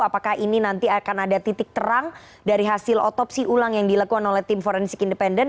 apakah ini nanti akan ada titik terang dari hasil otopsi ulang yang dilakukan oleh tim forensik independen